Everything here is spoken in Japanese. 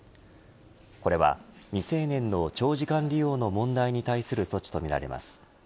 これは未成年の長時間利用の問題に対する措置と見られます。